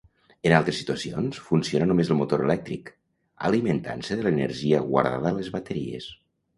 En altres situacions, funciona només el motor elèctric, alimentant-se de l'energia guardada a les bateries.